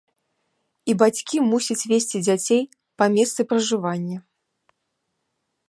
І бацькі мусяць весці дзяцей па месцы пражывання.